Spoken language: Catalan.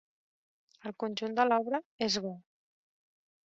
El conjunt de l'obra és bo.